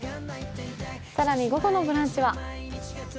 更に午後の「ブランチ」は。